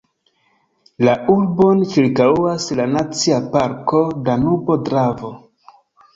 La urbon ĉirkaŭas la Nacia parko Danubo–Dravo.